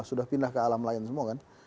sudah pindah ke alam lain semua kan